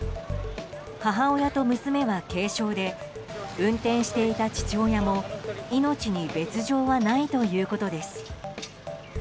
母親と娘は軽傷で運転していた父親も命に別条はないということです。